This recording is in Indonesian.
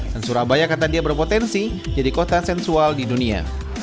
dan surabaya kata dia berpotensi jadi kota sensual di dunia